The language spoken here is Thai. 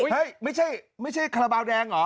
เฮ้ยไม่ใช่คาราบาลแดงเหรอ